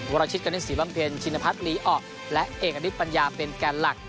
วรรณชิตกณฑินสีบำเพลินชินภัทรลีออและเอกอาทิตย์ปัญญาเป็นแกนหลัก